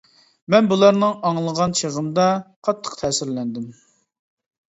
مەن بۇلارنىڭ ئاڭلىغان چېغىمدا قاتتىق تەسىرلەندىم.